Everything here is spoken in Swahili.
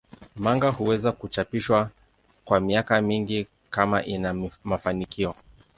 Manga huweza kuchapishwa kwa miaka mingi kama ina mafanikio.